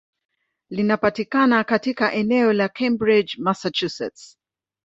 Linapatikana katika eneo la Cambridge, Massachusetts.